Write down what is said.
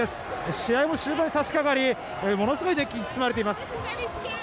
試合の終盤に差しかかり、ものすごい熱気に包まれています。